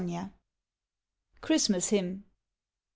CHRISTMAS HYMN.